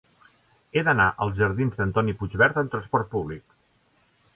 He d'anar als jardins d'Antoni Puigvert amb trasport públic.